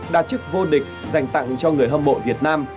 đạt chức vô địch dành tặng cho người hâm mộ việt nam